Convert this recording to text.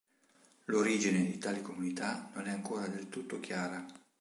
L'origine di tali comunità non è ancora del tutto chiara.